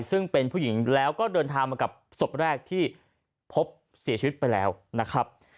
ซึ่งเป็นผู้หญิงแล้วก็เดินทางมากับศพแรกที่พบเสียชีวิตไปแล้วนะครับ